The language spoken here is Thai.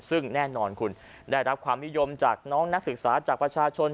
ซึ่งแน่นอนคุณได้รับความนิยมจากน้องนักศึกษาจากประชาชน